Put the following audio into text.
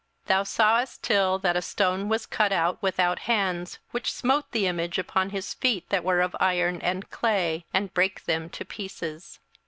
27:002:034 Thou sawest till that a stone was cut out without hands, which smote the image upon his feet that were of iron and clay, and brake them to pieces.